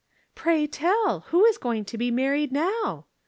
" Pray tell ! who is going to be married now